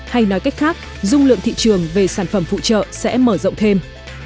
hay nói cách khác dung lượng thị trường về sản phẩm phụ trợ sẽ mở rộng thêm